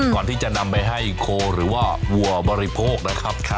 ก่อนที่จะนำไปให้โคหรือว่าวัวบริโภคนะครับ